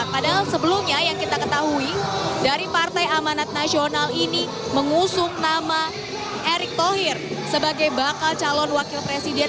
padahal sebelumnya yang kita ketahui dari partai amanat nasional ini mengusung nama erick thohir sebagai bakal calon wakil presiden